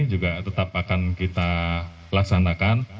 juga tetap akan kita laksanakan